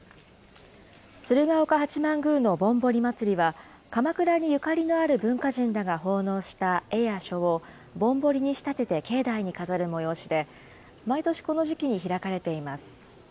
鶴岡八幡宮のぼんぼり祭は、鎌倉にゆかりのある文化人らが奉納した絵や書を、ぼんぼりに仕立てて境内に飾る催しで、毎年この時期に開かれています。